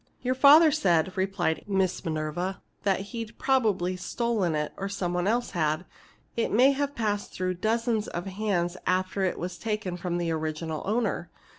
"Your father said," replied Miss Minerva, "that he'd probably stolen it, or somebody else had. It may have passed through dozens of hands after it was taken from the original owner.